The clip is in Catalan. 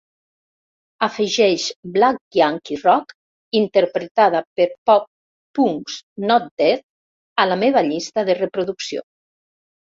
afegeix Black Yankee Rock interpretada per Pop Punk's Not Dead a la meva llista de reproducció